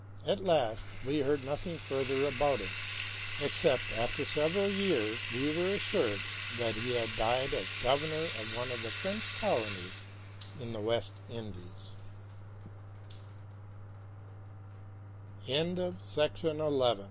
At last we heard nothing further about him, except after several years we were assured that he had died as governor of one of the French colonies in the Wes